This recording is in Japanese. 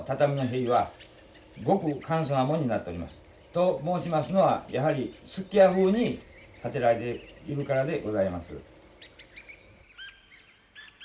と申しますのはやはり数寄屋風に建てられているからでございます。